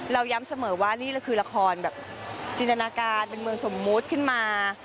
ย้ำเสมอว่านี่เราคือละครแบบจินตนาการเป็นเมืองสมมุติขึ้นมา